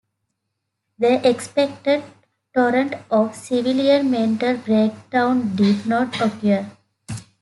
The expected torrent of civilian mental breakdown did not occur.